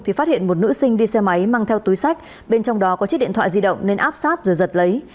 thì phát hiện một nữ sinh đi xe máy mang theo túi sách bên trong đó có chiếc điện thoại di động nên áp sát rồi giật lấy